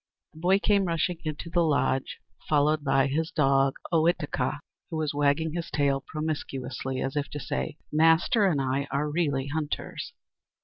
The boy came rushing into the lodge, followed by his dog Ohitika, who was wagging his tail promiscuously, as if to say: "Master and I are really hunters!"